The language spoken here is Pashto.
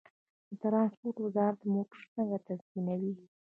د ترانسپورت وزارت موټر څنګه تنظیموي؟